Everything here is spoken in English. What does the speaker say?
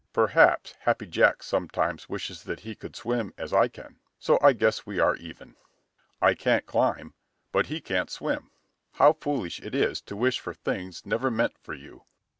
"Perhaps Happy Jack sometimes wishes that he could swim as I can, so I guess we are even. I can't climb, but he can't swim. How foolish it is to wish for things never meant for you!"